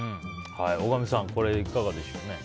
大神さん、いかがでしょうね。